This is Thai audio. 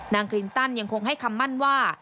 คลินตันยังคงให้คำมั่นว่า